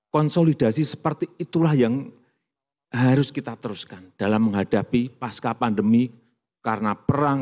konsolidasi seperti itulah yang harus kita teruskan dalam menghadapi pasca pandemi karena perang